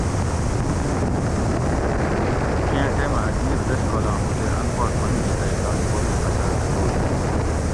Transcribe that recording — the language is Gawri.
کیں ٹیمہ اجمیر دش کالاں ہُو تے ان پا ٹھونگ گھی تئی تانی بوبیں قصاۤب شروع کیر